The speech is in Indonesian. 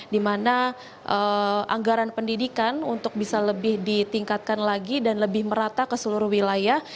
di mana anggaran pendidikan untuk bisa lebih ditingkatkan lagi dan lebih merata ke seluruh wilayah